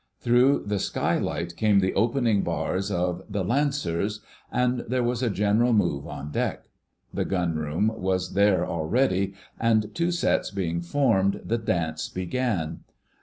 Through the skylight came the opening bars of the "Lancers," and there was a general move on deck. The Gunroom was there already, and, two sets being formed, the dance began.